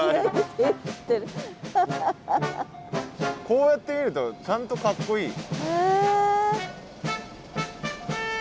こうやって見るとちゃんとかっこいい。